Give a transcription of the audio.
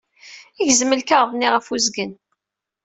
Gzem lkaɣeḍ-nni ɣef uzgen.